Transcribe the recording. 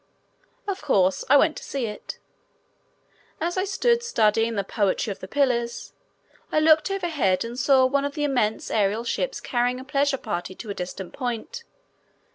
Of course, I went to see it. As I stood studying the poetry of the pillars, I looked overhead and saw one of the immense aerial ships carrying a pleasure party to a distant point.